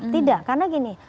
tidak karena gini